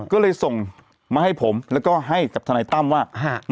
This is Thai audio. ก็เลยส่งมาให้ผมแล้วก็ให้กับทนายตั้มว่า